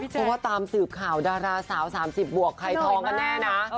เพราะว่าตามสืบข่าวดาราสาว๓๐บวกไข่ทองกันแน่นะ